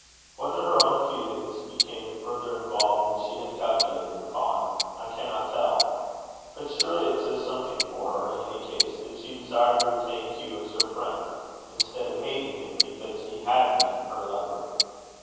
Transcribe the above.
Whether her own feelings became further involved than she had calculated upon, I cannot tell; but surely it says something for her, in any case, that she desired to retain Hugh as her friend, instead of hating him because he had been her lover.